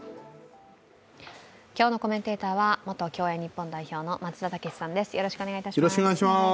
今日のコメンテーターは元競泳日本代表の松田丈志さんです。